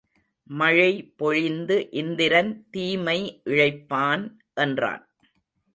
மழை பொழிந்து இந்திரன் தீமை இழைப்பான் என்றான்.